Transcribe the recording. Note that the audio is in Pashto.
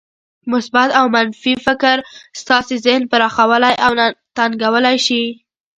مثبت او منفي فکر ستاسې ذهن پراخولای او تنګولای شي.